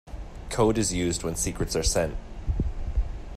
Code is used when secrets are sent.